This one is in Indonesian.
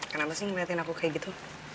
kenapa sih ngeliatin aku kayak gitu